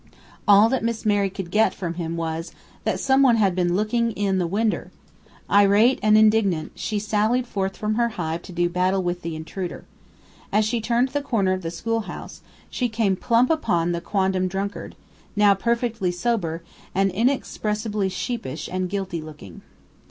All that Miss Mary could get from him was, that someone had been "looking in the winder." Irate and indignant, she sallied from her hive to do battle with the intruder. As she turned the corner of the schoolhouse she came plump upon the quondam drunkard now perfectly sober, and inexpressibly sheepish and guilty looking.